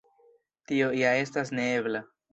Tio ja estas neebla.